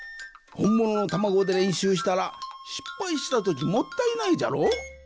ほんもののたまごでれんしゅうしたらしっぱいしたときもったいないじゃろ？